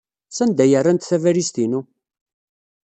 Sanda ay rrant tabalizt-inu?